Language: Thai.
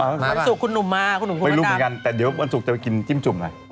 วันสุกคุณหนุ่มมาไม่รู้เหมือนกันแต่เดี๋ยววันสุกจะไปกินจิ้มจุ่มแหละ